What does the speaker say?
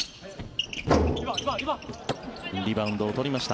リバウンドを取りました。